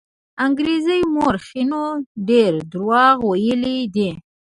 انګرېز مورخینو ډېر دروغ ویلي دي.